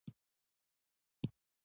مېلې د ټولني د ګډو دودونو ساتنه کوي.